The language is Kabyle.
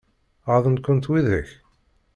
Ɣaḍen-kent widak?